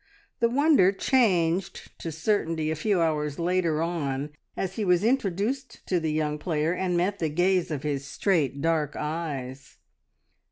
The wonder changed to certainty a few hours later on as he was introduced to the young player, and met the gaze of his straight, dark eyes!